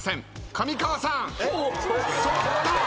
上川さん揃った！